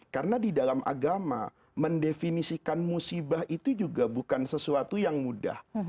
karena di dalam agama mendefinisikan musibah itu juga bukan sesuatu yang mudah